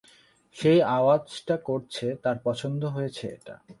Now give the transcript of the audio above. সেই আওয়াজট করছে, তার পছন্দ হয়েছে এটা।